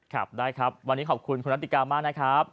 ครับได้ครับวันนี้ขอบคุณคุณรัติกามากนะครับ